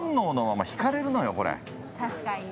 確かにね。